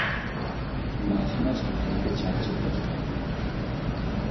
মাঝে মাঝে তোমাকে চার্চে দেখি না।